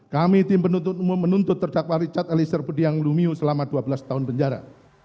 kami tim penuntut umum menuntut terdakwa richard eliezer budiang lumiu selama dua belas tahun penjara